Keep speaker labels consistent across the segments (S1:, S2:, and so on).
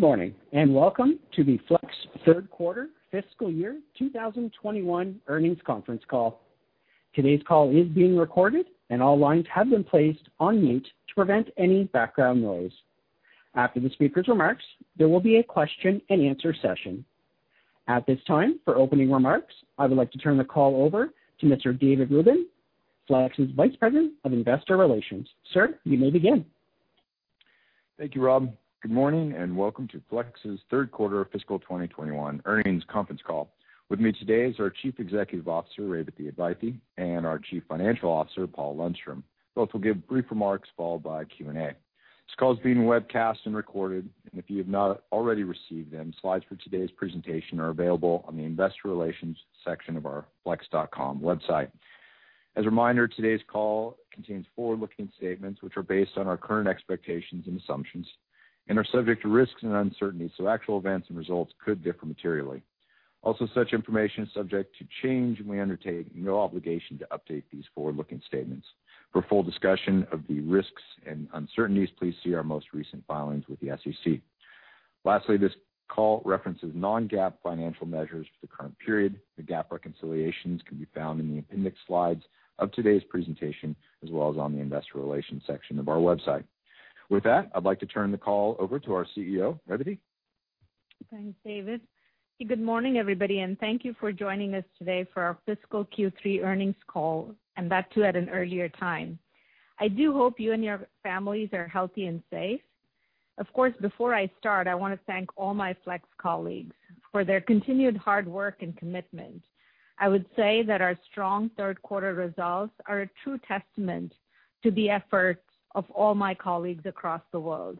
S1: Good morning and welcome to the Flex Third Quarter Fiscal Year 2021 Earnings Conference Call. Today's call is being recorded, and all lines have been placed on mute to prevent any background noise. After the speaker's remarks, there will be a question-and-answer session. At this time, for opening remarks, I would like to turn the call over to Mr. David Rubin, Flex's Vice President of Investor Relations. Sir, you may begin.
S2: Thank you, Rob. Good morning and welcome to Flex's Third Quarter Fiscal 2021 Earnings Conference Call. With me today is our Chief Executive Officer, Revathi Advaithi, and our Chief Financial Officer, Paul Lundstrom. Both will give brief remarks followed by Q&A. This call is being webcast and recorded, and if you have not already received them, slides for today's presentation are available on the Investor Relations section of our flex.com website. As a reminder, today's call contains forward-looking statements which are based on our current expectations and assumptions and are subject to risks and uncertainties, so actual events and results could differ materially. Also, such information is subject to change, and we undertake no obligation to update these forward-looking statements. For full discussion of the risks and uncertainties, please see our most recent filings with the SEC. Lastly, this call references non-GAAP financial measures for the current period. The GAAP reconciliations can be found in the appendix slides of today's presentation as well as on the Investor Relations section of our website. With that, I'd like to turn the call over to our CEO, Revathi.
S3: Thanks, David. Good morning, everybody, and thank you for joining us today for our fiscal Q3 earnings call, and that too at an earlier time. I do hope you and your families are healthy and safe. Of course, before I start, I want to thank all my Flex colleagues for their continued hard work and commitment. I would say that our strong third quarter results are a true testament to the efforts of all my colleagues across the world.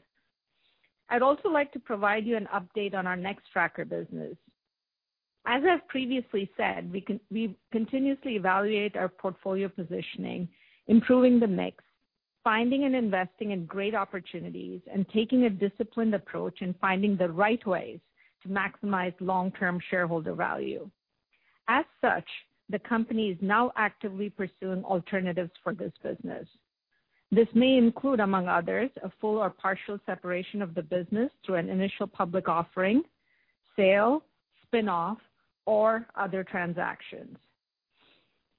S3: I'd also like to provide you an update on our Nextracker business. As I've previously said, we continuously evaluate our portfolio positioning, improving the mix, finding and investing in great opportunities, and taking a disciplined approach in finding the right ways to maximize long-term shareholder value. As such, the company is now actively pursuing alternatives for this business. This may include, among others, a full or partial separation of the business through an initial public offering, sale, spinoff, or other transactions.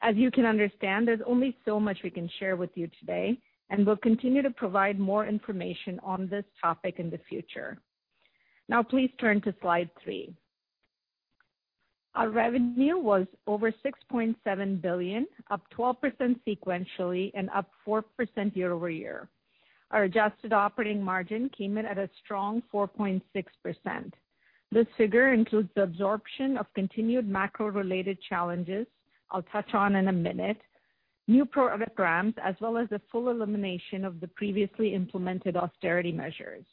S3: As you can understand, there's only so much we can share with you today, and we'll continue to provide more information on this topic in the future. Now, please turn to slide three. Our revenue was over $6.7 billion, up 12% sequentially and up 4% year-over-year. Our adjusted operating margin came in at a strong 4.6%. This figure includes the absorption of continued macro-related challenges, I'll touch on in a minute, new programs, as well as the full elimination of the previously implemented austerity measures.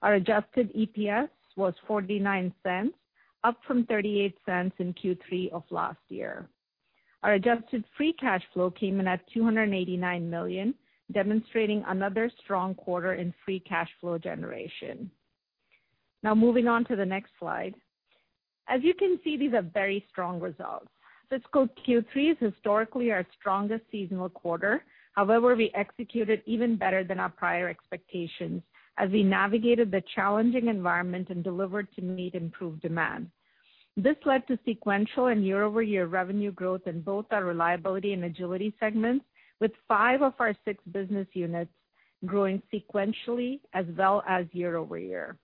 S3: Our adjusted EPS was $0.49, up from $0.38 in Q3 of last year. Our adjusted free cash flow came in at $289 million, demonstrating another strong quarter in free cash flow generation. Now, moving on to the next slide. As you can see, these are very strong results. Fiscal Q3 is historically our strongest seasonal quarter. However, we executed even better than our prior expectations as we navigated the challenging environment and delivered to meet improved demand. This led to sequential and year-over-year revenue growth in both our Reliability and Agility segments, with five of our six business units growing sequentially as well as year-over-year.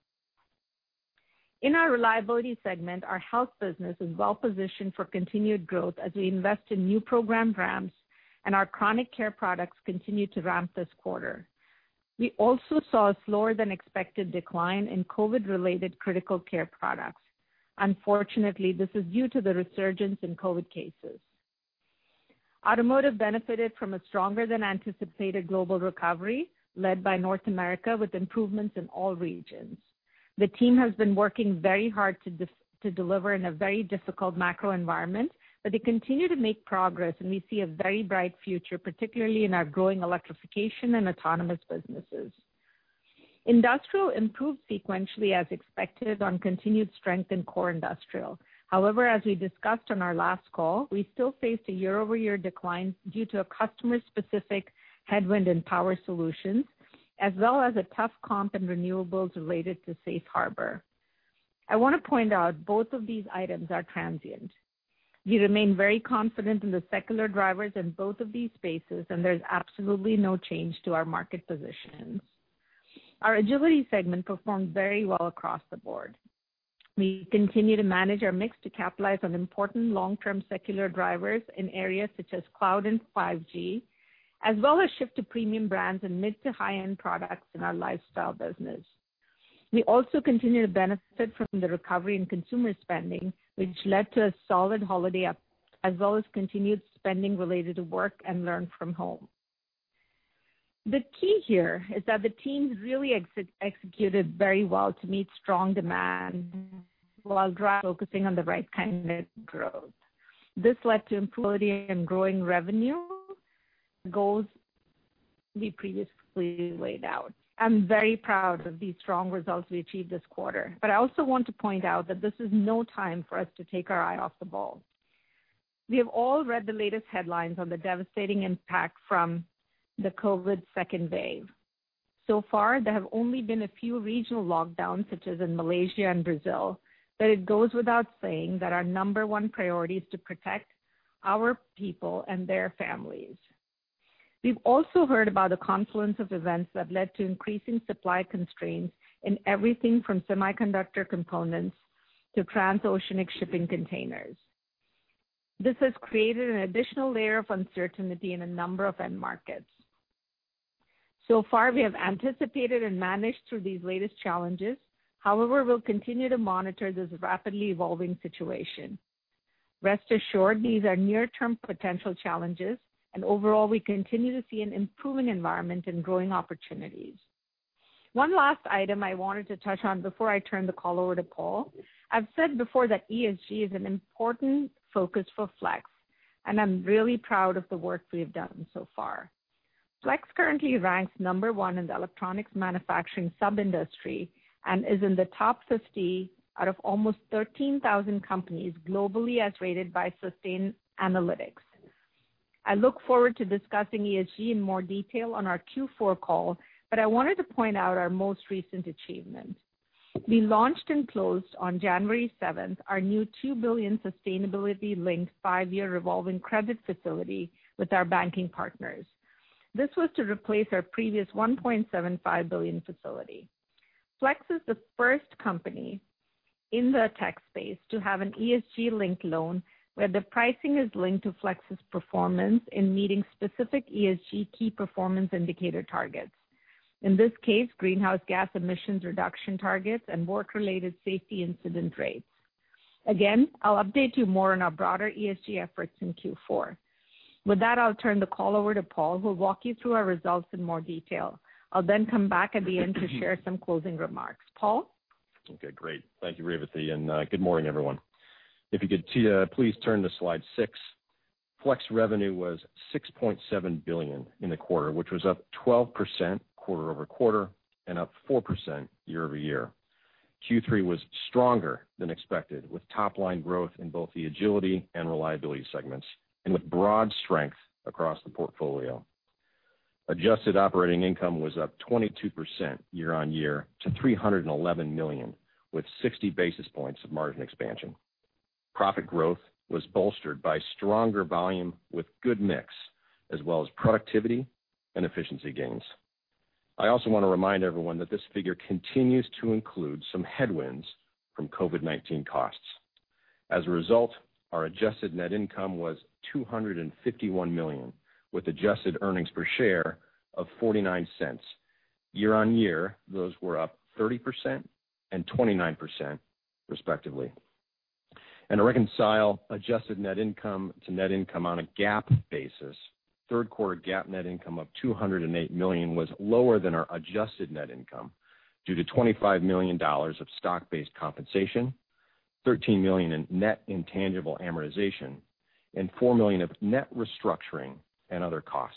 S3: In our Reliability segment, our Health business is well positioned for continued growth as we invest in new program ramps and our chronic care products continue to ramp this quarter. We also saw a slower-than-expected decline in COVID-related critical care products. Unfortunately, this is due to the resurgence in COVID cases. Automotive benefited from a stronger-than-anticipated global recovery led by North America, with improvements in all regions. The team has been working very hard to deliver in a very difficult macro environment, but they continue to make progress, and we see a very bright future, particularly in our growing electrification and autonomous businesses. Industrial improved sequentially as expected on continued strength in core Industrial. However, as we discussed on our last call, we still faced a year-over-year decline due to customer-specific headwind and Power Solutions, as well as a tough comp in renewables related to Safe Harbor. I want to point out both of these items are transient. We remain very confident in the secular drivers in both of these spaces, and there's absolutely no change to our market positions. Our Agility segment performed very well across the board. We continue to manage our mix to capitalize on important long-term secular drivers in areas such as cloud and 5G, as well as shift to premium brands and mid-to-high-end products in our Lifestyle business. We also continue to benefit from the recovery in consumer spending, which led to a solid holiday, as well as continued spending related to work and learn from home. The key here is that the team really executed very well to meet strong demand while focusing on the right kind of growth. This led to exceeding our growing revenue goals we previously laid out. I'm very proud of these strong results we achieved this quarter, but I also want to point out that this is no time for us to take our eye off the ball. We have all read the latest headlines on the devastating impact from the COVID second wave. So far, there have only been a few regional lockdowns, such as in Malaysia and Brazil, but it goes without saying that our number one priority is to protect our people and their families. We've also heard about the confluence of events that led to increasing supply constraints in everything from semiconductor components to trans-oceanic shipping containers. This has created an additional layer of uncertainty in a number of end markets. So far, we have anticipated and managed through these latest challenges. However, we'll continue to monitor this rapidly evolving situation. Rest assured, these are near-term potential challenges, and overall, we continue to see an improving environment and growing opportunities. One last item I wanted to touch on before I turn the call over to Paul. I've said before that ESG is an important focus for Flex, and I'm really proud of the work we've done so far. Flex currently ranks number one in the electronics manufacturing sub-industry and is in the top 50 out of almost 13,000 companies globally as rated by Sustainalytics. I look forward to discussing ESG in more detail on our Q4 call, but I wanted to point out our most recent achievement. We launched and closed on January 7th our new $2 billion sustainability-linked five-year revolving credit facility with our banking partners. This was to replace our previous $1.75 billion facility. Flex is the first company in the tech space to have an ESG-linked loan where the pricing is linked to Flex's performance in meeting specific ESG key performance indicator targets. In this case, greenhouse gas emissions reduction targets and work-related safety incident rates. Again, I'll update you more on our broader ESG efforts in Q4. With that, I'll turn the call over to Paul, who will walk you through our results in more detail. I'll then come back at the end to share some closing remarks. Paul?
S4: Okay, great. Thank you, Revathi, and good morning, everyone. If you could please turn to slide six. Flex revenue was $6.7 billion in the quarter, which was up 12% quarter over quarter and up 4% year-over-year. Q3 was stronger than expected, with top-line growth in both the agility and reliability segments and with broad strength across the portfolio. Adjusted operating income was up 22% year-on-year to $311 million, with 60 basis points of margin expansion. Profit growth was bolstered by stronger volume with good mix, as well as productivity and efficiency gains. I also want to remind everyone that this figure continues to include some headwinds from COVID-19 costs. As a result, our adjusted net income was $251 million, with adjusted earnings per share of $0.49. Year-on-year, those were up 30% and 29%, respectively. To reconcile adjusted net income to net income on a GAAP basis, third quarter GAAP net income of $208 million was lower than our adjusted net income due to $25 million of stock-based compensation, $13 million in net intangible amortization, and $4 million of net restructuring and other costs.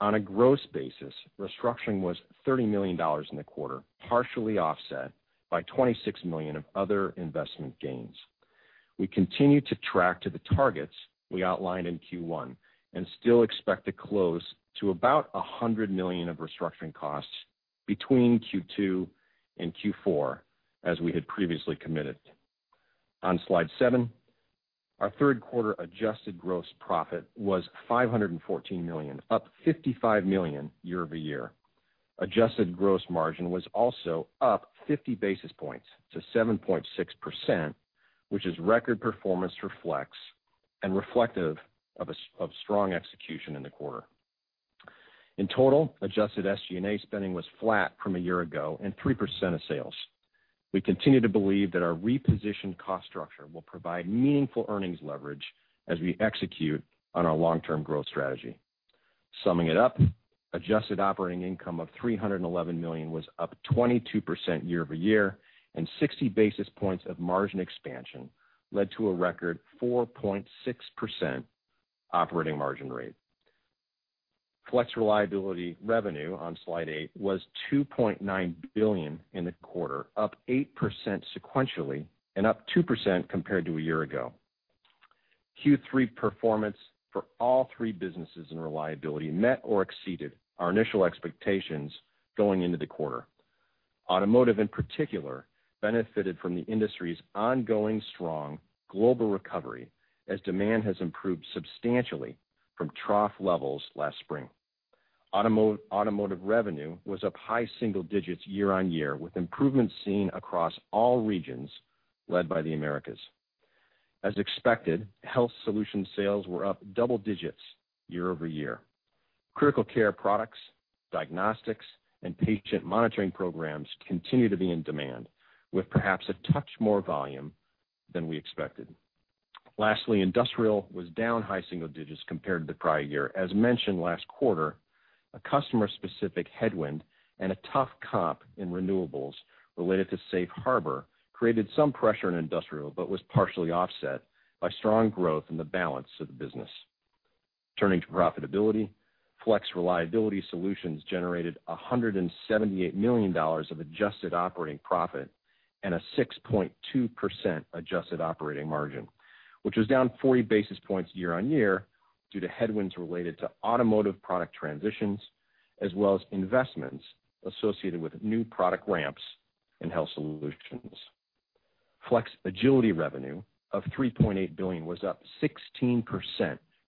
S4: On a gross basis, restructuring was $30 million in the quarter, partially offset by $26 million of other investment gains. We continue to track to the targets we outlined in Q1 and still expect to close to about $100 million of restructuring costs between Q2 and Q4, as we had previously committed. On slide seven, our third quarter adjusted gross profit was $514 million, up $55 million year-over-year. Adjusted gross margin was also up 50 basis points to 7.6%, which is record performance for Flex and reflective of strong execution in the quarter. In total, adjusted SG&A spending was flat from a year ago and 3% of sales. We continue to believe that our repositioned cost structure will provide meaningful earnings leverage as we execute on our long-term growth strategy. Summing it up, adjusted operating income of $311 million was up 22% year-over-year, and 60 basis points of margin expansion led to a record 4.6% operating margin rate. Flex Reliability revenue on slide eight was $2.9 billion in the quarter, up 8% sequentially and up 2% compared to a year ago. Q3 performance for all three businesses in Reliability met or exceeded our initial expectations going into the quarter. Automotive, in particular, benefited from the industry's ongoing strong global recovery as demand has improved substantially from trough levels last spring. Automotive revenue was up high single digits year-on-year, with improvements seen across all regions led by the Americas. As expected, Health Solutions sales were up double digits year-over-year. Critical care products, diagnostics, and patient monitoring programs continue to be in demand, with perhaps a touch more volume than we expected. Lastly, industrial was down high single digits compared to the prior year. As mentioned last quarter, a customer-specific headwind and a tough comp in renewables related to Safe Harbor created some pressure in industrial, but was partially offset by strong growth in the balance of the business. Turning to profitability, Flex Reliability Solutions generated $178 million of adjusted operating profit and a 6.2% adjusted operating margin, which was down 40 basis points year-on-year due to headwinds related to automotive product transitions, as well as investments associated with new product ramps in Health Solutions. Flex Agility revenue of $3.8 billion was up 16%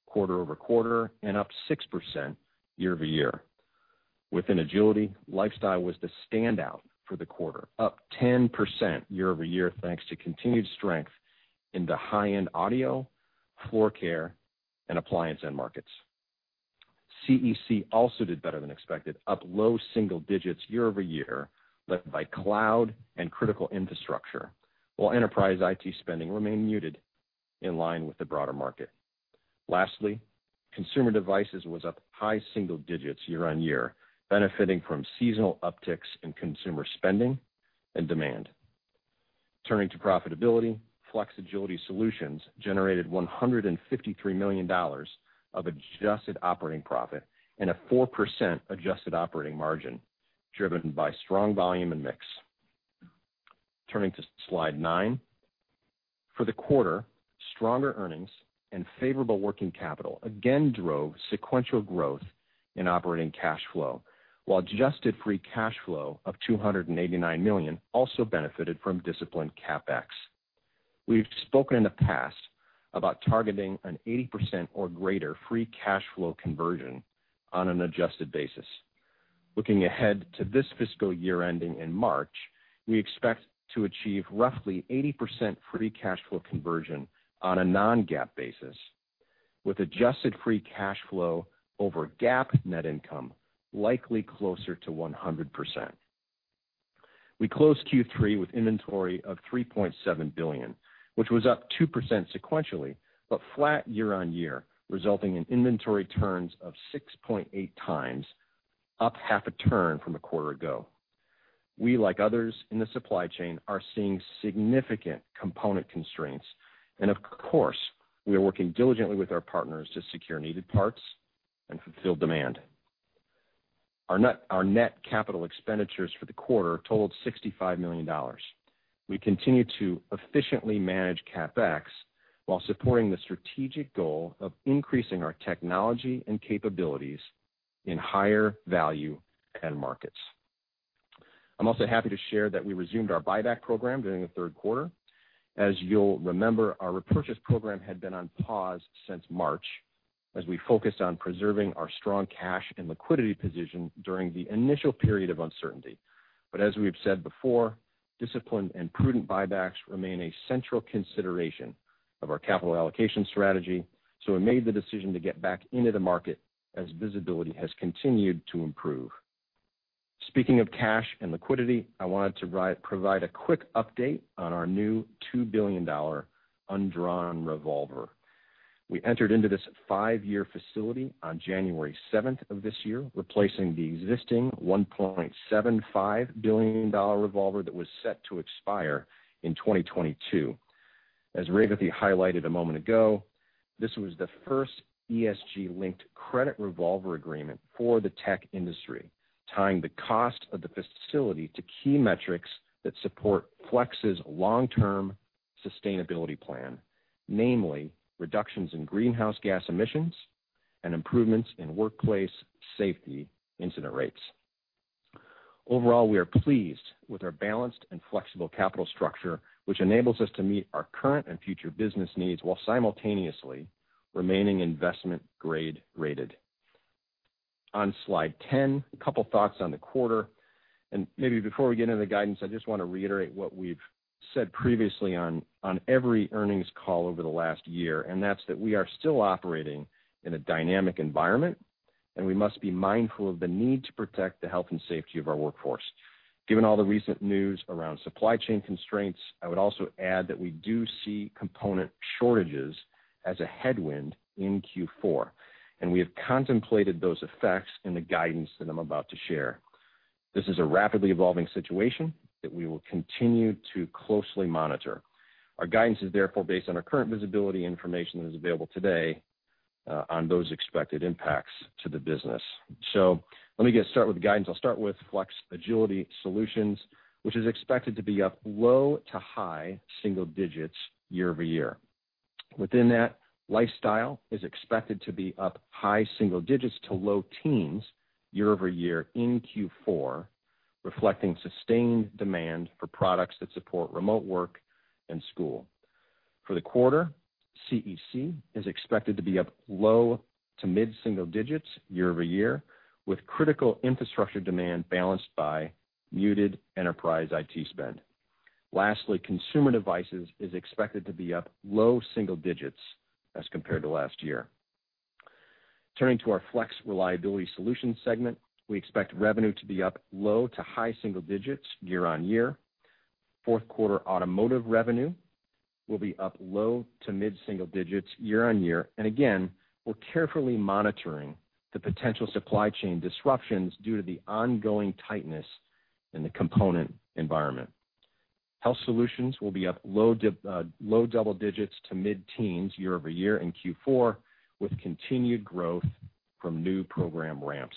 S4: quarter over quarter and up 6% year-over-year. Within Agility, lifestyle was the standout for the quarter, up 10% year-over-year thanks to continued strength in the high-end audio, floor care, and appliance end markets. CEC also did better than expected, up low single digits year-over-year, led by cloud and critical infrastructure, while enterprise IT spending remained muted in line with the broader market. Lastly, Consumer Devices was up high single digits year-on-year, benefiting from seasonal upticks in consumer spending and demand. Turning to profitability, Flex Agility Solutions generated $153 million of adjusted operating profit and a 4% adjusted operating margin driven by strong volume and mix. Turning to slide nine, for the quarter, stronger earnings and favorable working capital again drove sequential growth in operating cash flow, while adjusted free cash flow of $289 million also benefited from disciplined CapEx. We've spoken in the past about targeting an 80% or greater free cash flow conversion on an adjusted basis. Looking ahead to this fiscal year ending in March, we expect to achieve roughly 80% free cash flow conversion on a non-GAAP basis, with adjusted free cash flow over GAAP net income likely closer to 100%. We closed Q3 with inventory of $3.7 billion, which was up 2% sequentially, but flat year-on-year, resulting in inventory turns of 6.8x, up half a turn from a quarter ago. We, like others in the supply chain, are seeing significant component constraints, and of course, we are working diligently with our partners to secure needed parts and fulfill demand. Our net capital expenditures for the quarter totaled $65 million. We continue to efficiently manage CapEx while supporting the strategic goal of increasing our technology and capabilities in higher value end markets. I'm also happy to share that we resumed our buyback program during the third quarter. As you'll remember, our repurchase program had been on pause since March, as we focused on preserving our strong cash and liquidity position during the initial period of uncertainty. But as we've said before, disciplined and prudent buybacks remain a central consideration of our capital allocation strategy, so we made the decision to get back into the market as visibility has continued to improve. Speaking of cash and liquidity, I wanted to provide a quick update on our new $2 billion undrawn revolver. We entered into this five-year facility on January 7th of this year, replacing the existing $1.75 billion revolver that was set to expire in 2022. As Revathi highlighted a moment ago, this was the first ESG-linked credit revolver agreement for the tech industry, tying the cost of the facility to key metrics that support Flex's long-term sustainability plan, namely reductions in greenhouse gas emissions and improvements in workplace safety incident rates. Overall, we are pleased with our balanced and flexible capital structure, which enables us to meet our current and future business needs while simultaneously remaining investment-grade rated. On slide 10, a couple of thoughts on the quarter, and maybe before we get into the guidance, I just want to reiterate what we've said previously on every earnings call over the last year, and that's that we are still operating in a dynamic environment, and we must be mindful of the need to protect the health and safety of our workforce. Given all the recent news around supply chain constraints, I would also add that we do see component shortages as a headwind in Q4, and we have contemplated those effects in the guidance that I'm about to share. This is a rapidly evolving situation that we will continue to closely monitor. Our guidance is therefore based on our current visibility information that is available today on those expected impacts to the business. So let me get started with guidance. I'll start with Flex Agility Solutions, which is expected to be up low to high single digits year-over-year. Within that, Lifestyle is expected to be up high single digits to low teens year-over-year in Q4, reflecting sustained demand for products that support remote work and school. For the quarter, CEC is expected to be up low to mid single digits year-over-year, with critical infrastructure demand balanced by muted Enterprise IT spend. Lastly, consumer devices is expected to be up low single digits as compared to last year. Turning to our Flex Reliability Solutions segment, we expect revenue to be up low to high single digits year-on-year. Fourth quarter automotive revenue will be up low to mid-single digits year-on-year, and again, we're carefully monitoring the potential supply chain disruptions due to the ongoing tightness in the component environment. Health Solutions will be up low double digits to mid-teens year-over-year in Q4, with continued growth from new program ramps.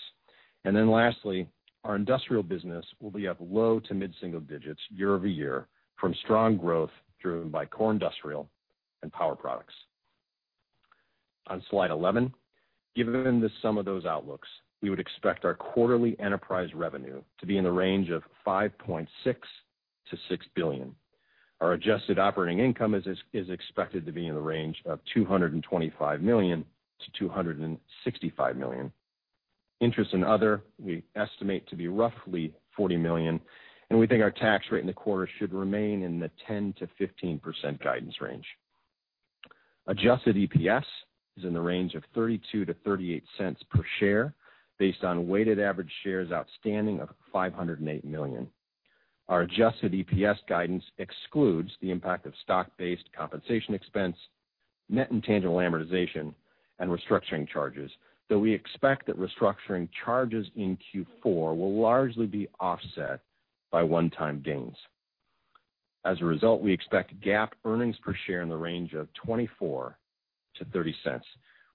S4: And then lastly, our Industrial business will be up low to mid-single digits year-over-year from strong growth driven by core industrial and power products. On slide 11, given some of those outlooks, we would expect our quarterly enterprise revenue to be in the range of $5.6 billion-$6 billion. Our adjusted operating income is expected to be in the range of $225 million-$265 million. Interest and other, we estimate to be roughly $40 million, and we think our tax rate in the quarter should remain in the 10%-15% guidance range. Adjusted EPS is in the range of $0.32-$0.38 per share based on weighted average shares outstanding of 508 million. Our adjusted EPS guidance excludes the impact of stock-based compensation expense, net intangible amortization, and restructuring charges, though we expect that restructuring charges in Q4 will largely be offset by one-time gains. As a result, we expect GAAP earnings per share in the range of $0.24-$0.30.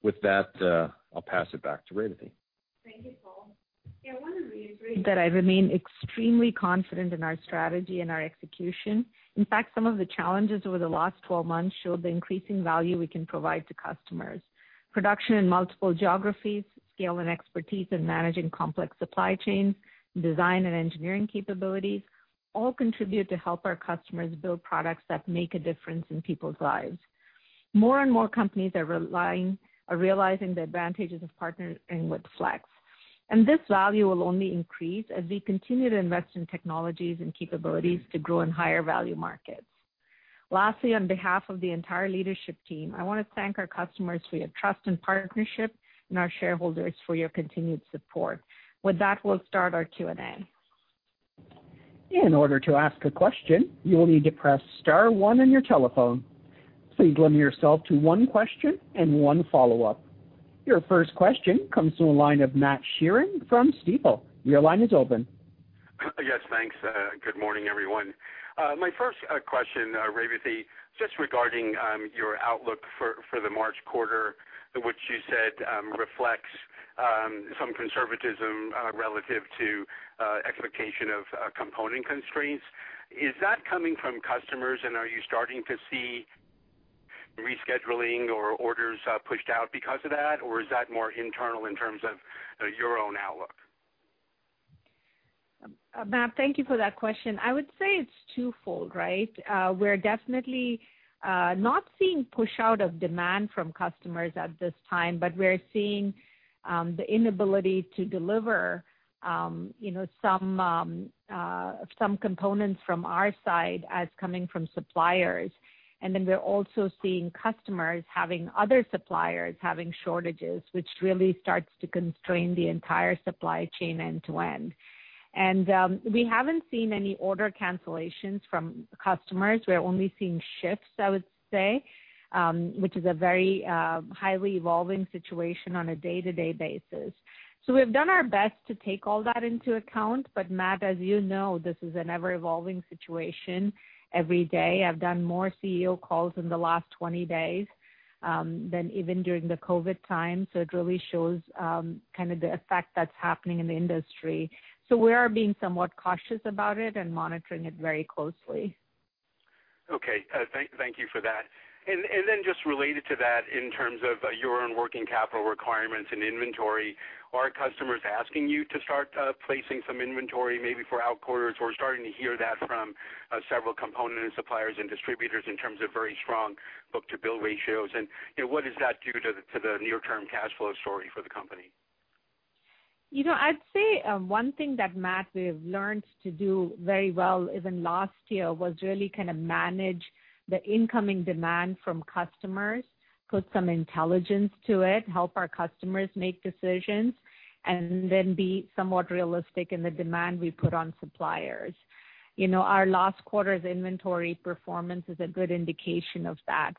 S4: With that, I'll pass it back to Revathi.
S3: Thank you, Paul. Yeah, one of the reasons that I remain extremely confident in our strategy and our execution. In fact, some of the challenges over the last 12 months showed the increasing value we can provide to customers. Production in multiple geographies, scale and expertise in managing complex supply chains, design and engineering capabilities all contribute to help our customers build products that make a difference in people's lives. More and more companies are realizing the advantages of partnering with Flex, and this value will only increase as we continue to invest in technologies and capabilities to grow in higher value markets. Lastly, on behalf of the entire leadership team, I want to thank our customers for your trust and partnership and our shareholders for your continued support. With that, we'll start our Q&A.
S1: In order to ask a question, you will need to press star one on your telephone. Please limit yourself to one question and one follow-up. Your first question comes from a line of Matt Sheerin from Stifel. Your line is open.
S5: Yes, thanks. Good morning, everyone. My first question, Revathi, just regarding your outlook for the March quarter, which you said reflects some conservatism relative to expectation of component constraints. Is that coming from customers, and are you starting to see rescheduling or orders pushed out because of that, or is that more internal in terms of your own outlook?
S3: Matt, thank you for that question. I would say it's twofold, right? We're definitely not seeing push-out of demand from customers at this time, but we're seeing the inability to deliver some components from our side as coming from suppliers. And then we're also seeing customers having other suppliers having shortages, which really starts to constrain the entire supply chain end-to-end. And we haven't seen any order cancellations from customers. We're only seeing shifts, I would say, which is a very highly evolving situation on a day-to-day basis. So we've done our best to take all that into account, but Matt, as you know, this is an ever-evolving situation every day. I've done more CEO calls in the last 20 days than even during the COVID time, so it really shows kind of the effect that's happening in the industry. So we are being somewhat cautious about it and monitoring it very closely.
S5: Okay. Thank you for that. And then just related to that, in terms of your own working capital requirements and inventory, are customers asking you to start placing some inventory maybe for out quarters? We're starting to hear that from several component suppliers and distributors in terms of very strong book-to-bill ratios. What does that do to the near-term cash flow story for the company?
S3: You know, I'd say one thing that Matt, we have learned to do very well even last year was really kind of manage the incoming demand from customers, put some intelligence to it, help our customers make decisions, and then be somewhat realistic in the demand we put on suppliers. You know, our last quarter's inventory performance is a good indication of that.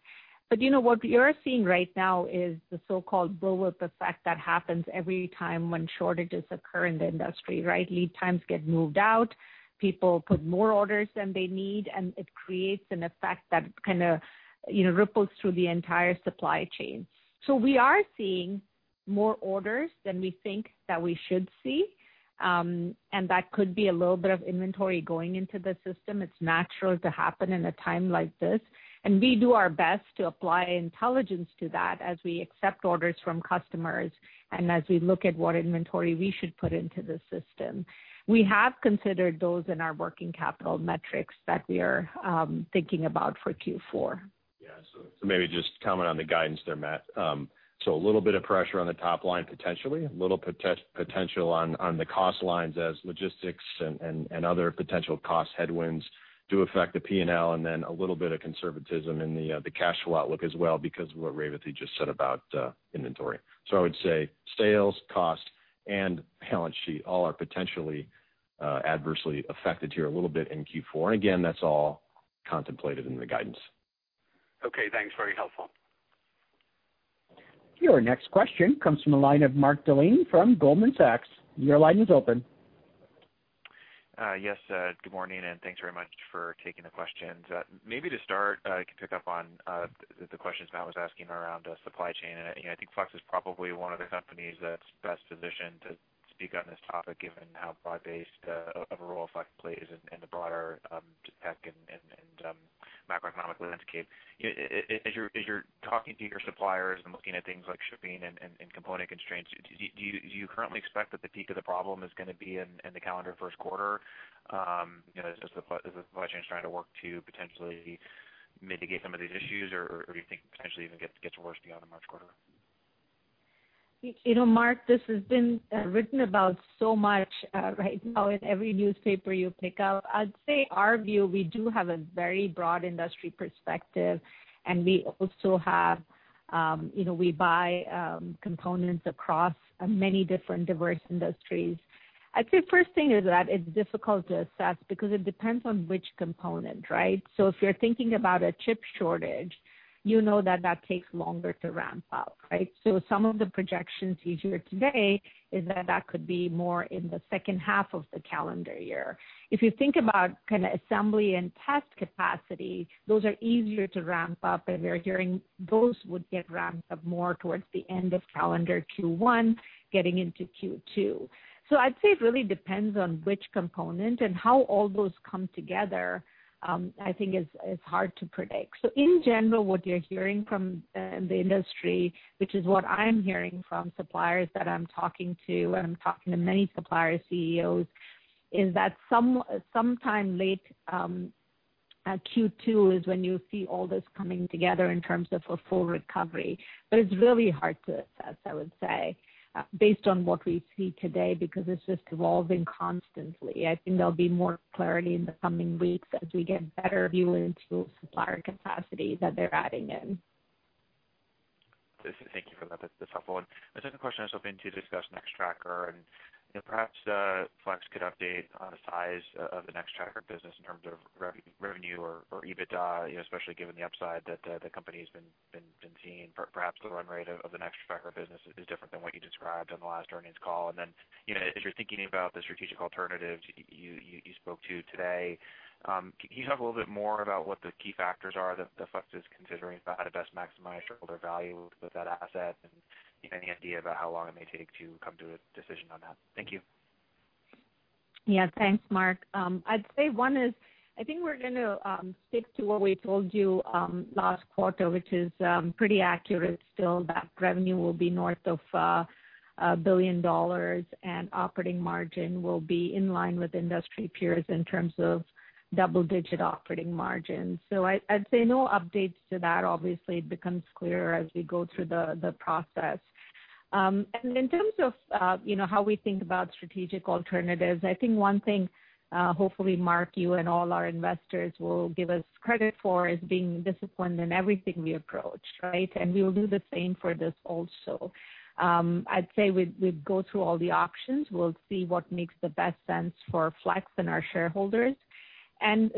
S3: But you know, what you're seeing right now is the so-called bullwhip effect that happens every time when shortages occur in the industry, right? Lead times get moved out, people put more orders than they need, and it creates an effect that kind of ripples through the entire supply chain. So we are seeing more orders than we think that we should see, and that could be a little bit of inventory going into the system. It's natural to happen in a time like this, and we do our best to apply intelligence to that as we accept orders from customers and as we look at what inventory we should put into the system. We have considered those in our working capital metrics that we are thinking about for Q4.
S4: Yeah. So maybe just comment on the guidance there, Matt. So a little bit of pressure on the top line, potentially a little potential on the cost lines as logistics and other potential cost headwinds do affect the P&L, and then a little bit of conservatism in the cash flow outlook as well because of what Revathi just said about inventory. So I would say sales, cost, and balance sheet all are potentially adversely affected here a little bit in Q4. And again, that's all contemplated in the guidance.
S5: Okay. Thanks. Very helpful.
S1: Your next question comes from a line of Mark Delaney from Goldman Sachs. Your line is open.
S6: Yes. Good morning, and thanks very much for taking the questions. Maybe to start, I can pick up on the questions Matt was asking around supply chain. I think Flex is probably one of the companies that's best positioned to speak on this topic given how broad-based a role Flex plays in the broader tech and macroeconomic landscape. As you're talking to your suppliers and looking at things like shipping and component constraints, do you currently expect that the peak of the problem is going to be in the calendar first quarter as the supply chain is trying to work to potentially mitigate some of these issues, or do you think potentially even gets worse beyond the March quarter?
S3: You know, Mark, this has been written about so much right now in every newspaper you pick up. I'd say our view, we do have a very broad industry perspective, and we also buy components across many different diverse industries. I'd say the first thing is that it's difficult to assess because it depends on which component, right? So if you're thinking about a chip shortage, you know that takes longer to ramp up, right? So some of the projections here today is that that could be more in the second half of the calendar year. If you think about kind of assembly and test capacity, those are easier to ramp up, and we're hearing those would get ramped up more towards the end of calendar Q1, getting into Q2. So I'd say it really depends on which component and how all those come together, I think, is hard to predict. So in general, what you're hearing from the industry, which is what I'm hearing from suppliers that I'm talking to, and I'm talking to many suppliers' CEOs, is that sometime late Q2 is when you see all this coming together in terms of a full recovery. But it's really hard to assess, I would say, based on what we see today because it's just evolving constantly. I think there'll be more clarity in the coming weeks as we get better view into supplier capacity that they're adding in.
S6: Thank you for that. That's helpful. And the second question I was hoping to discuss Nextracker, and perhaps Flex could update on the size of the Nextracker business in terms of revenue or EBITDA, especially given the upside that the company has been seeing. Perhaps the run rate of the Nextracker business is different than what you described on the last earnings call. And then as you're thinking about the strategic alternatives you spoke to today, can you talk a little bit more about what the key factors are that Flex is considering to best maximize shareholder value with that asset and any idea about how long it may take to come to a decision on that? Thank you.
S3: Yeah. Thanks, Mark. I'd say one is I think we're going to stick to what we told you last quarter, which is pretty accurate still that revenue will be north of $1 billion and operating margin will be in line with industry peers in terms of double-digit operating margin, so I'd say no updates to that. Obviously, it becomes clearer as we go through the process, and in terms of how we think about strategic alternatives, I think one thing hopefully Mark you and all our investors will give us credit for is being disciplined in everything we approach, right, and we will do the same for this also. I'd say we'd go through all the options. We'll see what makes the best sense for Flex and our shareholders.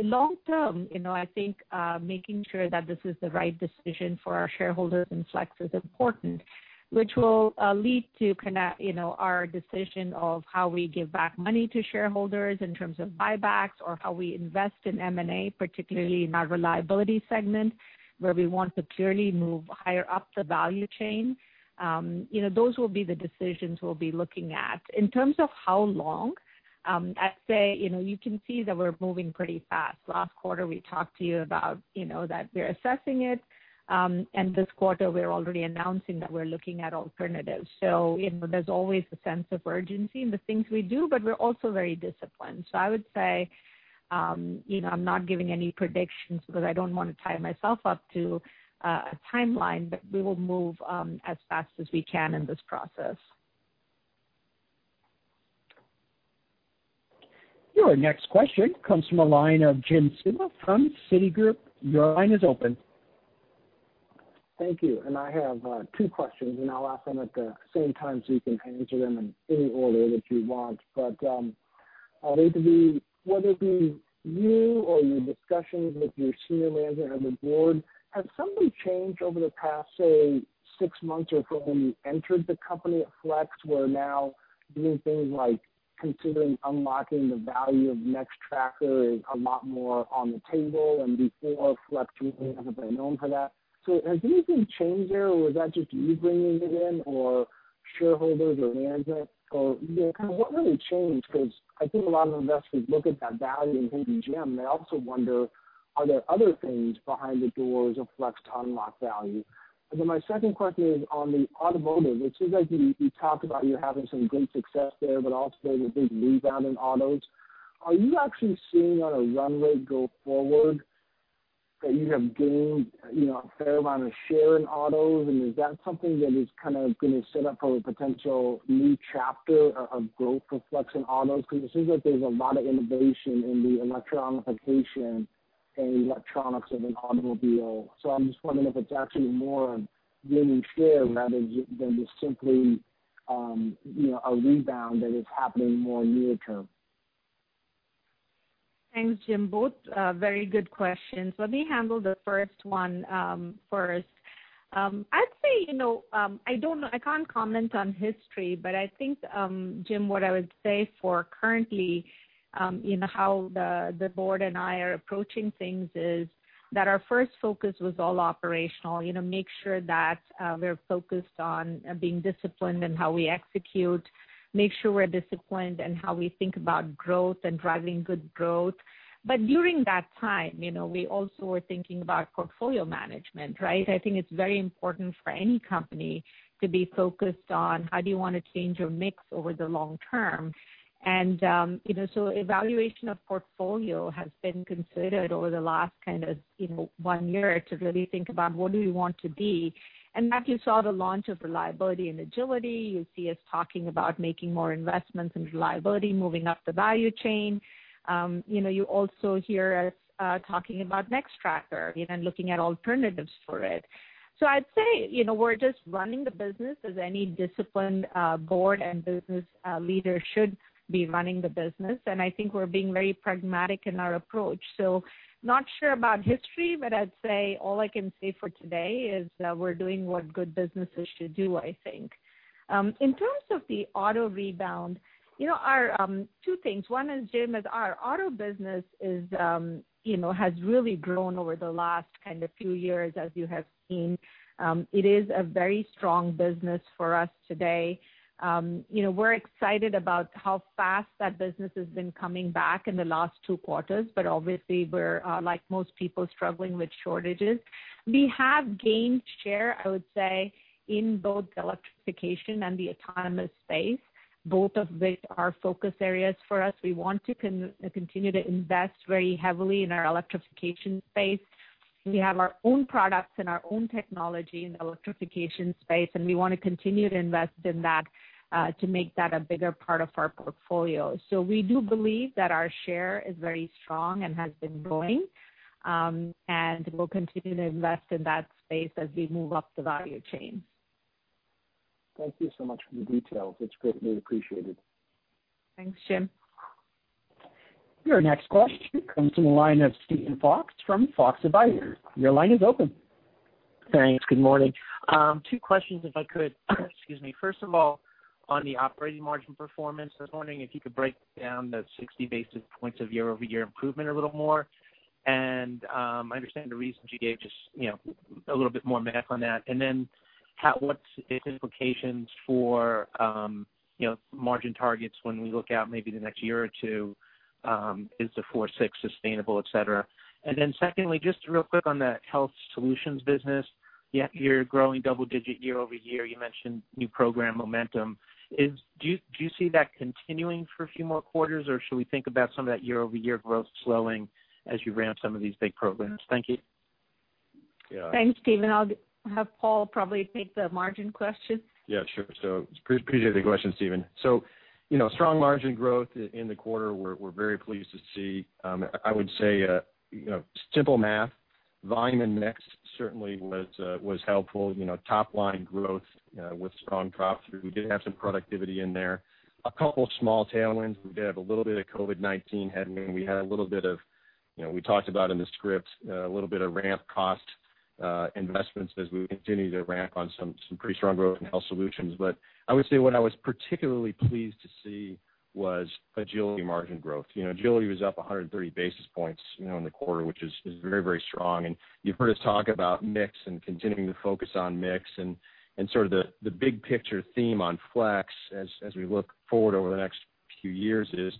S3: Long term, I think making sure that this is the right decision for our shareholders and Flex is important, which will lead to kind of our decision of how we give back money to shareholders in terms of buybacks or how we invest in M&A, particularly in our reliability segment where we want to clearly move higher up the value chain. Those will be the decisions we'll be looking at. In terms of how long, I'd say you can see that we're moving pretty fast. Last quarter, we talked to you about that we're assessing it, and this quarter, we're already announcing that we're looking at alternatives. There's always a sense of urgency in the things we do, but we're also very disciplined. So I would say I'm not giving any predictions because I don't want to tie myself up to a timeline, but we will move as fast as we can in this process.
S1: Your next question comes from a line of Jim Suva from Citigroup. Your line is open.
S7: Thank you. And I have two questions, and I'll ask them at the same time so you can answer them in any order that you want. But whether it be you or your discussions with your senior manager and the board, has something changed over the past, say, six months or from when you entered the company at Flex where now doing things like considering unlocking the value of Nextracker is a lot more on the table and before Flex really has been known for that? So has anything changed there, or was that just you bringing it in or shareholders or management? Or kind of what really changed? Because I think a lot of investors look at that value in Hidden Gem, and they also wonder, are there other things behind the doors of Flex to unlock value? And then my second question is on the automotive. It seems like you talked about you having some great success there, but also the big rebound in autos. Are you actually seeing on a run rate go forward that you have gained a fair amount of share in autos, and is that something that is kind of going to set up for a potential new chapter of growth for Flex and autos? Because it seems like there's a lot of innovation in the electrification and electronics of an automobile. So I'm just wondering if it's actually more of gaining share rather than just simply a rebound that is happening more near term?
S3: Thanks, Jim. Both very good questions. Let me handle the first one first. I'd say I don't know. I can't comment on history, but I think, Jim, what I would say for currently how the board and I are approaching things is that our first focus was all operational. Make sure that we're focused on being disciplined in how we execute, make sure we're disciplined in how we think about growth and driving good growth. But during that time, we also were thinking about portfolio management, right? I think it's very important for any company to be focused on how do you want to change your mix over the long term. Evaluation of portfolio has been considered over the last kind of one year to really think about what do we want to be. Matthew saw the launch of reliability and agility. You see us talking about making more investments in reliability, moving up the value chain. You also hear us talking about Nextracker and looking at alternatives for it. We're just running the business as any disciplined board and business leader should be running the business. I think we're being very pragmatic in our approach. Not sure about history, but I'd say all I can say for today is we're doing what good businesses should do, I think. In terms of the auto rebound, two things. One is, Jim, our auto business has really grown over the last kind of few years, as you have seen. It is a very strong business for us today. We're excited about how fast that business has been coming back in the last two quarters, but obviously, we're, like most people, struggling with shortages. We have gained share, I would say, in both the electrification and the autonomous space, both of which are focus areas for us. We want to continue to invest very heavily in our electrification space. We have our own products and our own technology in the electrification space, and we want to continue to invest in that to make that a bigger part of our portfolio. So we do believe that our share is very strong and has been growing, and we'll continue to invest in that space as we move up the value chain.
S7: Thank you so much for the details. It's greatly appreciated.
S3: Thanks, Jim.
S1: Your next question comes from a line of Steven Fox from Fox Advisors. Your line is open.
S8: Thanks. Good morning. Two questions, if I could. Excuse me. First of all, on the operating margin performance, I was wondering if you could break down the 60 basis points of year-over-year improvement a little more. And I understand the reason you gave just a little bit more math on that. And then what's its implications for margin targets when we look out maybe the next year or two? Is the 4.6 sustainable, etc.? And then secondly, just real quick on the health solutions business, you're growing double-digit year-over-year. You mentioned new program momentum. Do you see that continuing for a few more quarters, or should we think about some of that year-over-year growth slowing as you ramp some of these big programs? Thank you.
S4: Yeah
S3: Thanks, Steven. I'll have Paul probably take the margin question.
S4: Yeah. Sure. So appreciate the question, Steven. So strong margin growth in the quarter, we're very pleased to see. I would say simple math, volume and mix certainly was helpful. Top-line growth with strong drop-through. We did have some productivity in there. A couple of small tailwinds. We did have a little bit of COVID-19 headwind. We had a little bit of, we talked about in the script, a little bit of ramp cost investments as we continue to ramp on some pretty strong growth in health solutions. But I would say what I was particularly pleased to see was agility margin growth. Agility was up 130 basis points in the quarter, which is very, very strong. And you've heard us talk about mix and continuing to focus on mix. Sort of the big picture theme on Flex as we look forward over the next few years is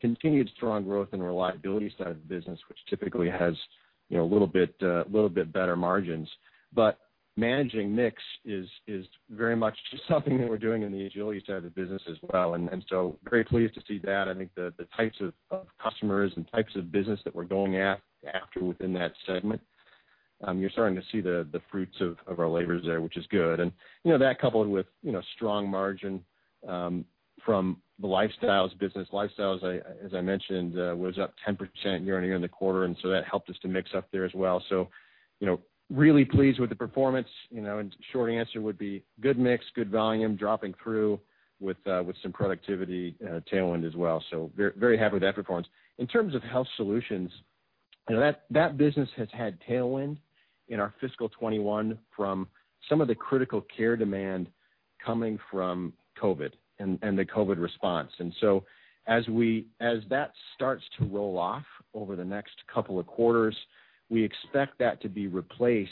S4: continued strong growth and reliability side of the business, which typically has a little bit better margins. But managing mix is very much something that we're doing in the agility side of the business as well. And so very pleased to see that. I think the types of customers and types of business that we're going after within that segment, you're starting to see the fruits of our labors there, which is good. And that coupled with strong margin from the lifestyles business. Lifestyles, as I mentioned, was up 10% year-on-year in the quarter, and so that helped us to mix up there as well. So really pleased with the performance. Short answer would be good mix, good volume, dropping through with some productivity tailwind as well. So very happy with that performance. In terms of Health Solutions, that business has had tailwind in our fiscal 2021 from some of the critical care demand coming from COVID and the COVID response. And so as that starts to roll off over the next couple of quarters, we expect that to be replaced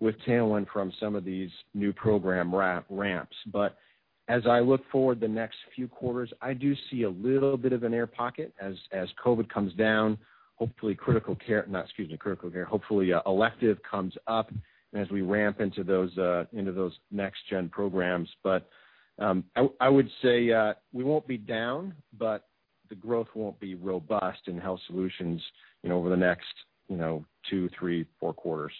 S4: with tailwind from some of these new program ramps. But as I look forward the next few quarters, I do see a little bit of an air pocket as COVID comes down. Hopefully, critical care, no, excuse me, critical care, hopefully, elective comes up as we ramp into those next-gen programs. But I would say we won't be down, but the growth won't be robust in Health Solutions over the next two, three, four quarters.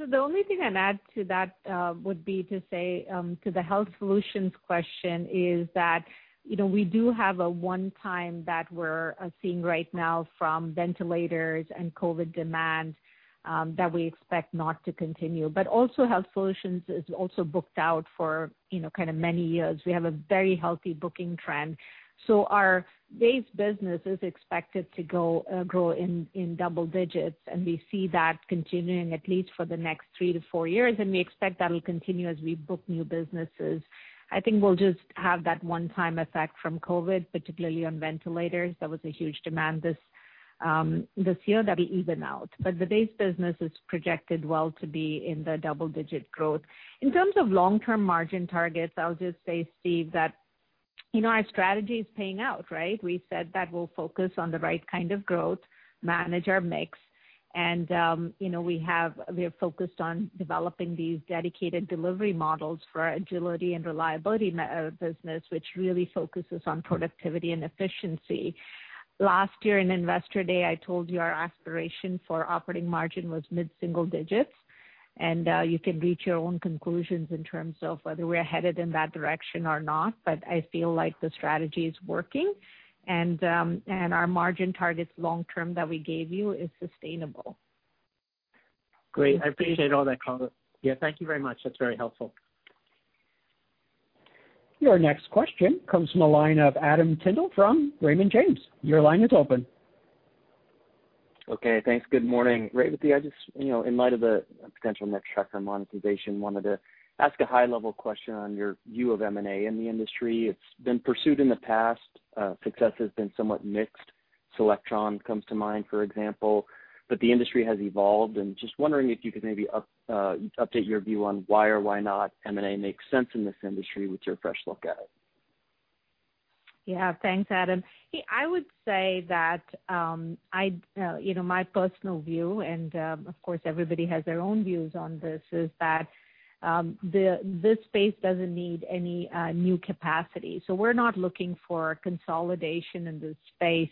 S3: So the only thing I'd add to that would be to say to the health solutions question is that we do have a one-time that we're seeing right now from ventilators and COVID demand that we expect not to continue. But also, health solutions is also booked out for kind of many years. We have a very healthy booking trend. So our base business is expected to grow in double digits, and we see that continuing at least for the next three-to-four years. And we expect that will continue as we book new businesses. I think we'll just have that one-time effect from COVID, particularly on ventilators. There was a huge demand this year that'll even out. But the base business is projected well to be in the double-digit growth. In terms of long-term margin targets, I'll just say, Steve, that our strategy is paying out, right? We said that we'll focus on the right kind of growth, manage our mix, and we have focused on developing these dedicated delivery models for agility and reliability business, which really focuses on productivity and efficiency. Last year in Investor Day, I told you our aspiration for operating margin was mid-single digits, and you can reach your own conclusions in terms of whether we're headed in that direction or not, but I feel like the strategy is working, and our margin targets long-term that we gave you is sustainable.
S8: Great. I appreciate all that comment. Yeah. Thank you very much. That's very helpful.
S1: Your next question comes from a line of Adam Tindle from Raymond James. Your line is open.
S9: Okay. Thanks. Good morning. Right at the edge, in light of the potential Nextracker monetization, wanted to ask a high-level question on your view of M&A in the industry. It's been pursued in the past. Success has been somewhat mixed. Solectron comes to mind, for example. But the industry has evolved. And just wondering if you could maybe update your view on why or why not M&A makes sense in this industry with your fresh look at it.
S3: Yeah. Thanks, Adam. I would say that my personal view, and of course, everybody has their own views on this, is that this space doesn't need any new capacity. So we're not looking for consolidation in this space.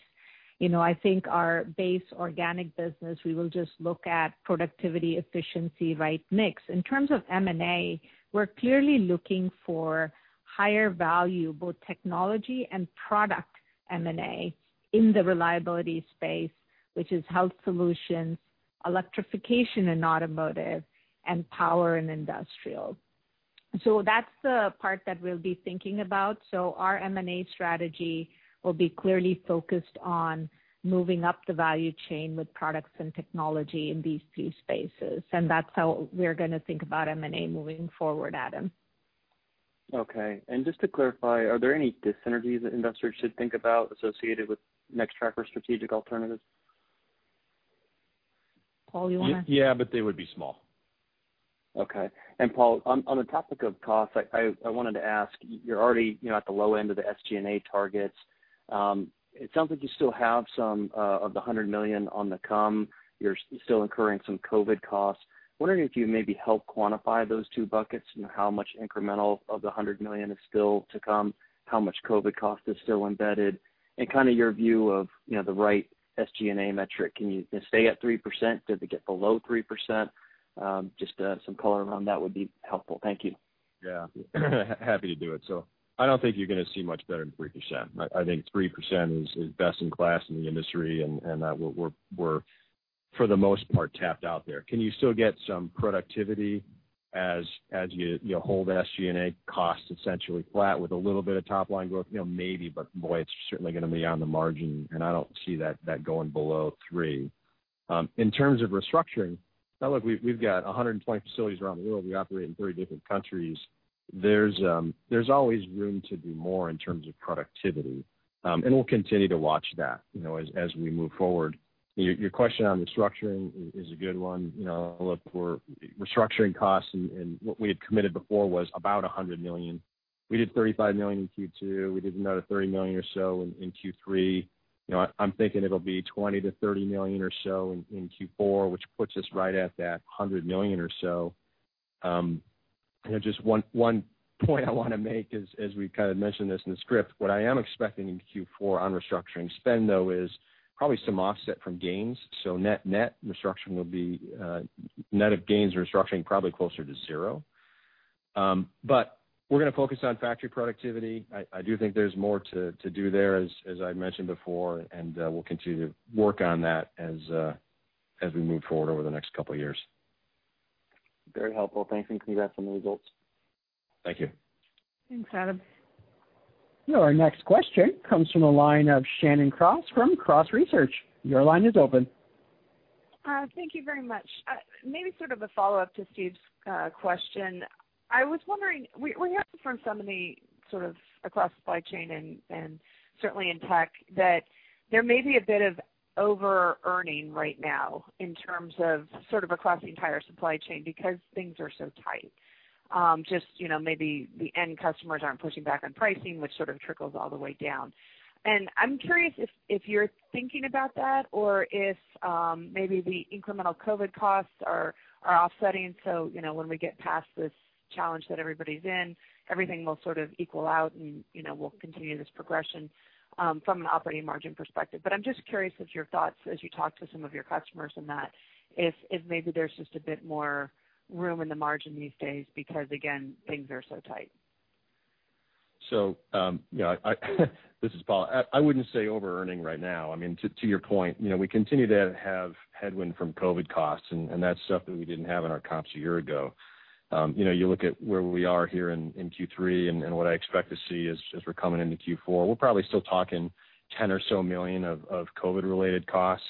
S3: I think our base organic business, we will just look at productivity, efficiency, right, mix. In terms of M&A, we're clearly looking for higher-value, both technology and product M&A in the reliability space, which is health solutions, electrification in automotive, and power and industrial. So that's the part that we'll be thinking about. So our M&A strategy will be clearly focused on moving up the value chain with products and technology in these three spaces. And that's how we're going to think about M&A moving forward, Adam.
S9: Okay. And just to clarify, are there any dis-synergies that investors should think about associated with Nextracker strategic alternatives?
S3: Paul, you want to?
S4: Yeah, but they would be small.
S9: Okay. And Paul, on the topic of costs, I wanted to ask, you're already at the low end of the SG&A targets. It sounds like you still have some of the $100 million on the come. You're still incurring some COVID costs. Wondering if you maybe help quantify those two buckets and how much incremental of the $100 million is still to come, how much COVID cost is still embedded, and kind of your view of the right SG&A metric. Can you stay at 3%? Did we get below 3%? Just some color around that would be helpful. Thank you.
S4: Yeah. Happy to do it. So I don't think you're going to see much better than 3%. I think 3% is best in class in the industry, and that we're, for the most part, tapped out there. Can you still get some productivity as you hold SG&A costs essentially flat with a little bit of top-line growth? Maybe, but boy, it's certainly going to be on the margin, and I don't see that going below three. In terms of restructuring, we've got 120 facilities around the world. We operate in 30 different countries. There's always room to do more in terms of productivity. And we'll continue to watch that as we move forward. Your question on restructuring is a good one. We're restructuring costs, and what we had committed before was about $100 million. We did $35 million in Q2. We did another $30 million or so in Q3. I'm thinking it'll be $20 million-$30 million or so in Q4, which puts us right at that $100 million or so. Just one point I want to make is, as we kind of mentioned this in the script, what I am expecting in Q4 on restructuring spend, though, is probably some offset from gains. So net restructuring will be net of gains and restructuring probably closer to zero. But we're going to focus on factory productivity. I do think there's more to do there, as I mentioned before, and we'll continue to work on that as we move forward over the next couple of years.
S9: Very helpful. Thanks. And congrats on the results.
S4: Thank you.
S3: Thanks, Adam.
S1: Your next question comes from a line of Shannon Cross from Cross Research. Your line is open.
S10: Thank you very much. Maybe sort of a follow-up to Steve's question. I was wondering, we heard from somebody sort of across supply chain and certainly in tech that there may be a bit of over-earning right now in terms of sort of across the entire supply chain because things are so tight. Just maybe the end customers aren't pushing back on pricing, which sort of trickles all the way down. And I'm curious if you're thinking about that or if maybe the incremental COVID costs are offsetting. So when we get past this challenge that everybody's in, everything will sort of equal out, and we'll continue this progression from an operating margin perspective. But I'm just curious of your thoughts as you talk to some of your customers in that, if maybe there's just a bit more room in the margin these days because, again, things are so tight.
S4: So this is Paul. I wouldn't say over-earning right now. I mean, to your point, we continue to have headwind from COVID costs, and that's stuff that we didn't have in our comps a year ago. You look at where we are here in Q3 and what I expect to see as we're coming into Q4. We're probably still talking $10 million or so of COVID-related costs.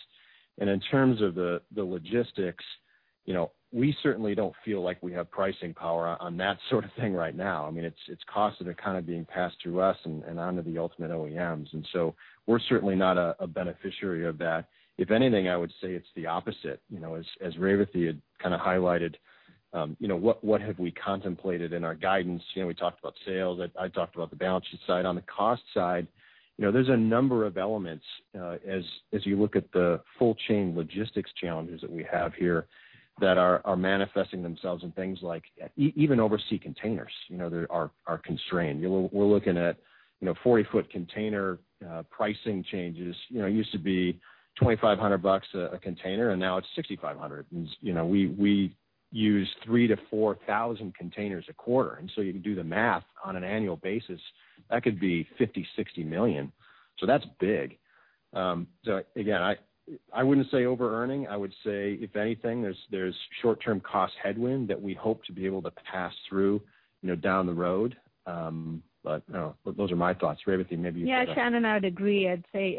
S4: And in terms of the logistics, we certainly don't feel like we have pricing power on that sort of thing right now. I mean, it's costs that are kind of being passed through us and onto the ultimate OEMs. And so we're certainly not a beneficiary of that. If anything, I would say it's the opposite. As Revathi had kind of highlighted, what have we contemplated in our guidance? We talked about sales. I talked about the balance sheet side. On the cost side, there's a number of elements as you look at the full-chain logistics challenges that we have here that are manifesting themselves in things like even overseas containers are constrained. We're looking at 40-foot container pricing changes. It used to be $2,500 a container, and now it's $6,500. We use 3,000-4,000 containers a quarter. And so you can do the math on an annual basis. That could be $50 million-$60 million. So that's big. So again, I wouldn't say over-earning. I would say, if anything, there's short-term cost headwind that we hope to be able to pass through down the road. But those are my thoughts. Revathi, maybe you've got to.
S3: Yeah. Shannon, I would agree. I'd say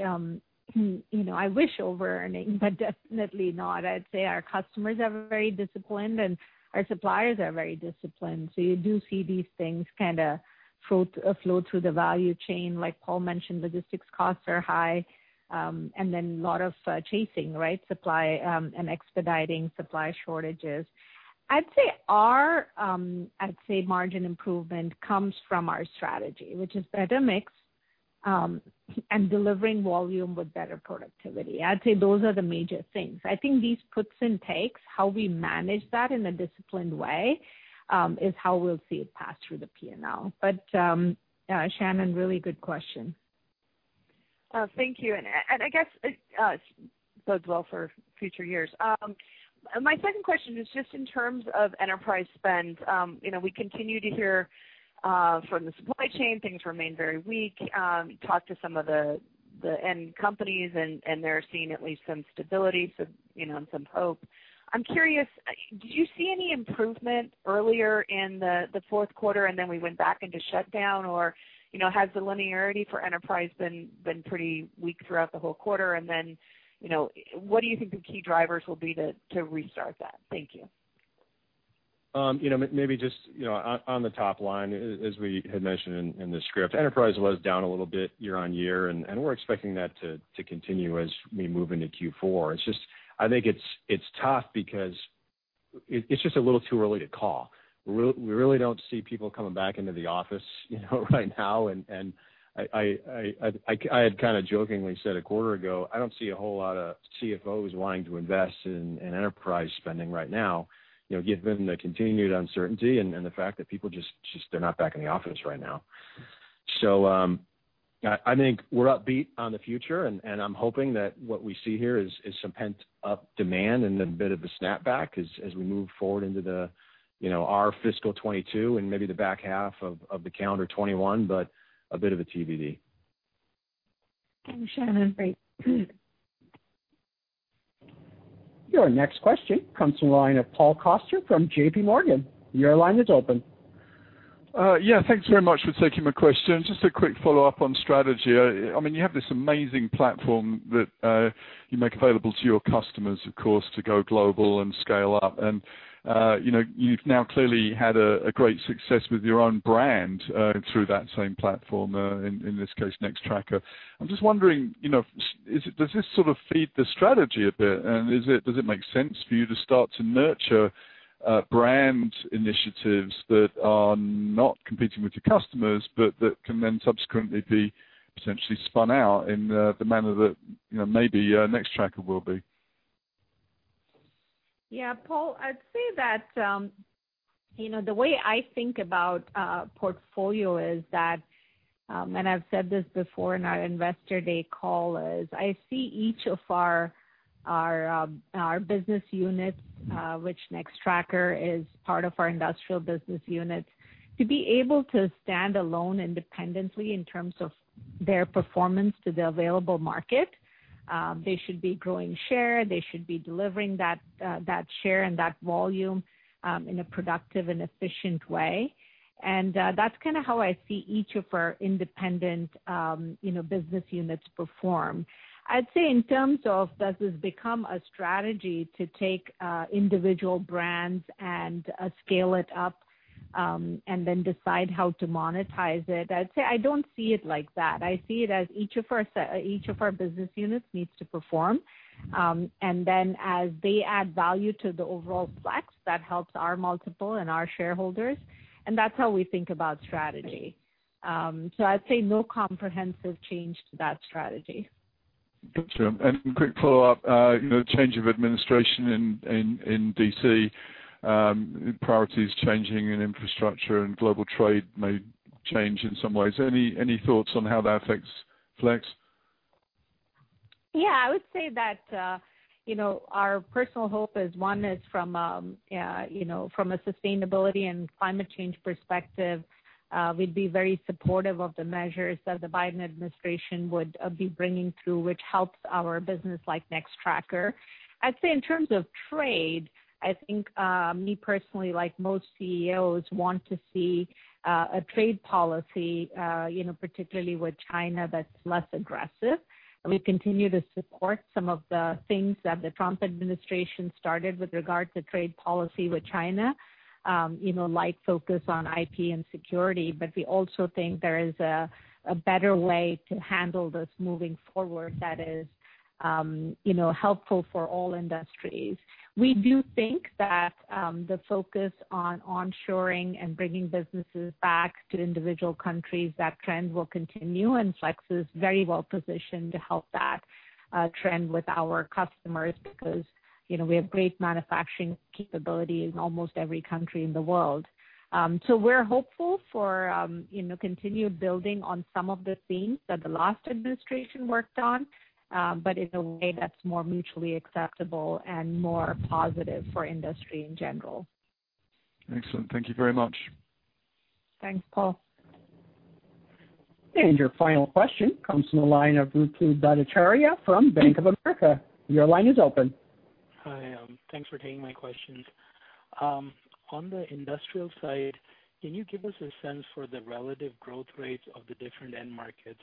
S3: I wish over-earning, but definitely not. I'd say our customers are very disciplined, and our suppliers are very disciplined. So you do see these things kind of flow through the value chain. Like Paul mentioned, logistics costs are high, and then a lot of chasing, right, supply and expediting supply shortages. I'd say our, I'd say, margin improvement comes from our strategy, which is better mix and delivering volume with better productivity. I'd say those are the major things. I think these puts and takes, how we manage that in a disciplined way is how we'll see it passed through the P&L. But Shannon, really good question.
S10: Thank you. And I guess it bodes well for future years. My second question is just in terms of enterprise spend. We continue to hear from the supply chain, things remain very weak. Talked to some of the end companies, and they're seeing at least some stability and some hope. I'm curious, did you see any improvement earlier in the fourth quarter, and then we went back into shutdown? Or has the linearity for enterprise been pretty weak throughout the whole quarter? And then what do you think the key drivers will be to restart that? Thank you.
S4: Maybe just on the top line, as we had mentioned in the script, enterprise was down a little bit year on year, and we're expecting that to continue as we move into Q4. It's just, I think it's tough because it's just a little too early to call. We really don't see people coming back into the office right now. And I had kind of jokingly said a quarter ago, I don't see a whole lot of CFOs wanting to invest in enterprise spending right now, given the continued uncertainty and the fact that people just, they're not back in the office right now. So I think we're upbeat on the future, and I'm hoping that what we see here is some pent-up demand and a bit of a snapback as we move forward into our fiscal 2022 and maybe the back half of the calendar 2021, but a bit of a TBD.
S3: Thanks, Shannon. Great.
S1: Your next question comes from a line of Paul Coster from JPMorgan. Your line is open.
S11: Yeah. Thanks very much for taking my question. Just a quick follow-up on strategy. I mean, you have this amazing platform that you make available to your customers, of course, to go global and scale up. You've now clearly had a great success with your own brand through that same platform, in this case, Nextracker. I'm just wondering, does this sort of feed the strategy a bit? And does it make sense for you to start to nurture brand initiatives that are not competing with your customers but that can then subsequently be potentially spun out in the manner that maybe Nextracker will be?
S3: Yeah. Paul, I'd say that the way I think about portfolio is that, and I've said this before in our Investor Day call, is I see each of our business units, which Nextracker is part of our industrial business units, to be able to stand alone independently in terms of their performance to the available market. They should be growing share. They should be delivering that share and that volume in a productive and efficient way. And that's kind of how I see each of our independent business units perform. I'd say in terms of, does this become a strategy to take individual brands and scale it up and then decide how to monetize it? I'd say I don't see it like that. I see it as each of our business units needs to perform. And then as they add value to the overall Flex, that helps our multiple and our shareholders. And that's how we think about strategy. So I'd say no comprehensive change to that strategy.
S11: Gotcha. And quick follow-up, the change of administration in D.C., priorities changing in infrastructure and global trade may change in some ways. Any thoughts on how that affects Flex?
S3: Yeah. I would say that our personal hope is one is from a sustainability and climate change perspective. We'd be very supportive of the measures that the Biden administration would be bringing through, which helps our business like Nextracker. I'd say in terms of trade, I think me personally, like most CEOs, want to see a trade policy, particularly with China, that's less aggressive. We continue to support some of the things that the Trump administration started with regard to trade policy with China, like focus on IP and security. But we also think there is a better way to handle this moving forward that is helpful for all industries. We do think that the focus on onshoring and bringing businesses back to individual countries, that trend will continue, and Flex is very well positioned to help that trend with our customers because we have great manufacturing capability in almost every country in the world. So we're hopeful for continued building on some of the themes that the last administration worked on, but in a way that's more mutually acceptable and more positive for industry in general.
S11: Excellent. Thank you very much.
S3: Thanks, Paul.
S1: And your final question comes from the line of Ruplu Bhattacharya from Bank of America. Your line is open.
S12: Hi. Thanks for taking my questions. On the industrial side, can you give us a sense for the relative growth rates of the different end markets?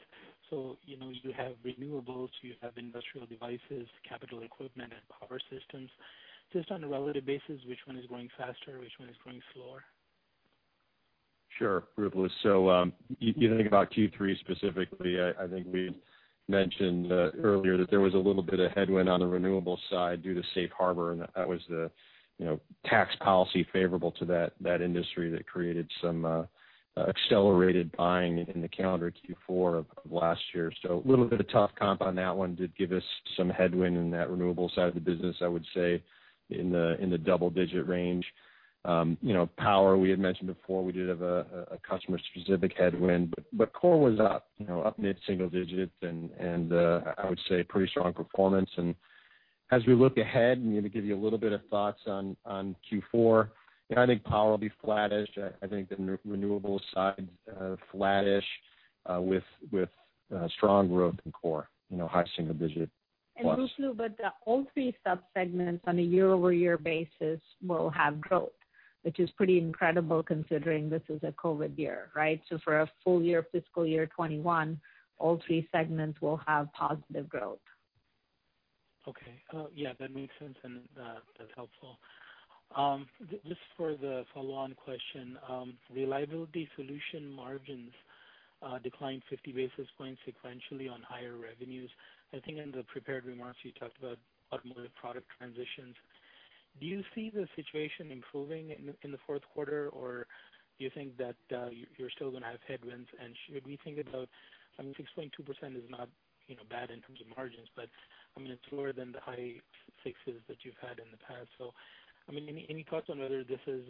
S12: So, you have renewables, you have industrial devices, capital equipment, and power systems. Just on a relative basis, which one is growing faster, which one is growing slower?
S4: Sure, Ruplu. So, you think about Q3 specifically, I think we mentioned earlier that there was a little bit of headwind on the renewable side due to Safe Harbor, and that was the tax policy favorable to that industry that created some accelerated buying in the calendar Q4 of last year. So, a little bit of tough comp on that one did give us some headwind in that renewable side of the business, I would say, in the double-digit range. Power, we had mentioned before, we did have a customer-specific headwind, but core was up mid-single digits, and I would say pretty strong performance. And as we look ahead and give you a little bit of thoughts on Q4, I think power will be flattish. I think the renewable side is flattish with strong growth in core, high single-digit plus.
S3: And Ruplu, but all three subsegments on a year-over-year basis will have growth, which is pretty incredible considering this is a COVID year, right? So, for a full year, fiscal year 2021, all three segments will have positive growth.
S12: Okay. Yeah. That makes sense, and that's helpful. Just for the follow-on question, Reliability Solutions margins declined 50 basis points sequentially on higher revenues. I think in the prepared remarks, you talked about automotive product transitions. Do you see the situation improving in the fourth quarter, or do you think that you're still going to have headwinds? And should we think about, I mean, 6.2% is not bad in terms of margins, but I mean, it's lower than the high 6s that you've had in the past. So, I mean, any thoughts on whether this is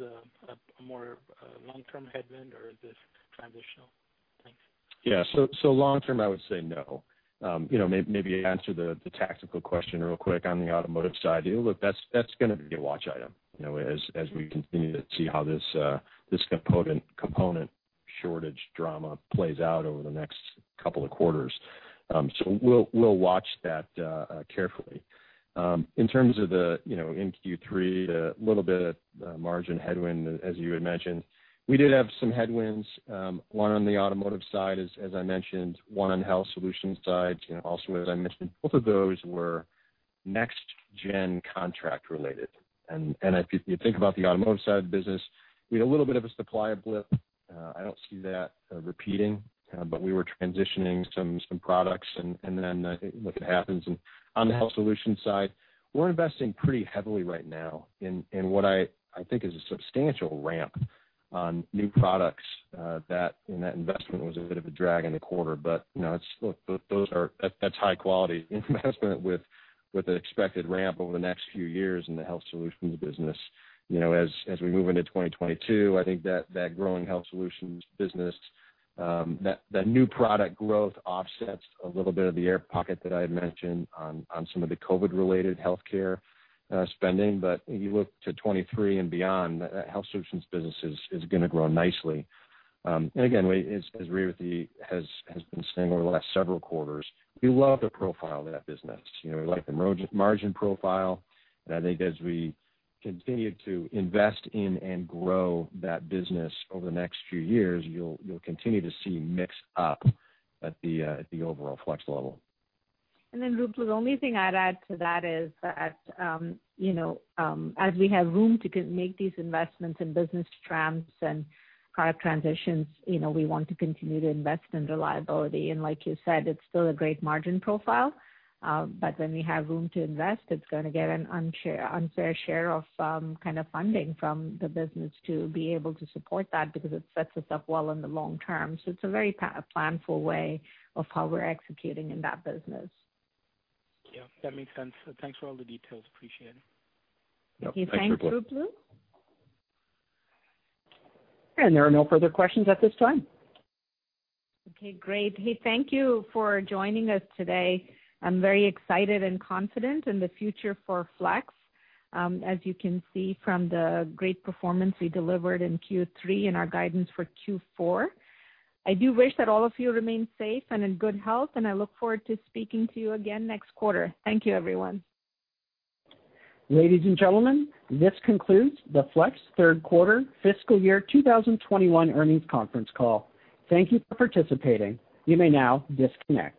S12: a more long-term headwind or is this transitional? Thanks.
S4: Yeah. So long-term, I would say no. Maybe answer the tactical question real quick on the Automotive side. That's going to be a watch item as we continue to see how this component shortage drama plays out over the next couple of quarters. So, we'll watch that carefully. In terms of then in Q3, a little bit of margin headwind, as you had mentioned. We did have some headwinds, one on the Automotive side, as I mentioned, one on Health Solutions side. Also, as I mentioned, both of those were next-gen contract-related. And if you think about the Automotive side of the business, we had a little bit of a supply blip, but I don't see that repeating. But we were transitioning some products, and then it happens. On the health solution side, we're investing pretty heavily right now in what I think is a substantial ramp on new products that. That investment was a bit of a drag in the quarter. Look, that's high-quality investment with an expected ramp over the next few years in the health solutions business. As we move into 2022, I think that growing health solutions business, that new product growth offsets a little bit of the air pocket that I had mentioned on some of the COVID-related healthcare spending. You look to 2023 and beyond, that health solutions business is going to grow nicely. Again, as Revathi has been saying over the last several quarters, we love the profile of that business. We like the margin profile. And I think as we continue to invest in and grow that business over the next few years, you'll continue to see mix up at the overall Flex level.
S3: And then, Ruplu, the only thing I'd add to that is that as we have room to make these investments in business ramps and product transitions, we want to continue to invest in reliability. And like you said, it's still a great margin profile. But when we have room to invest, it's going to get an unfair share of kind of funding from the business to be able to support that because it sets us up well in the long term. So, it's a very planful way of how we're executing in that business.
S12: Yeah. That makes sense. Thanks for all the details. Appreciate it.
S4: Thank you.
S12: Thanks for both.
S3: Thanks, Ruplu.
S1: There are no further questions at this time.
S3: Okay. Great. Hey, thank you for joining us today. I'm very excited and confident in the future for Flex, as you can see from the great performance we delivered in Q3 and our guidance for Q4. I do wish that all of you remain safe and in good health, and I look forward to speaking to you again next quarter. Thank you, everyone.
S1: Ladies and gentlemen, this concludes the Flex third quarter fiscal year 2021 earnings conference call. Thank you for participating. You may now disconnect.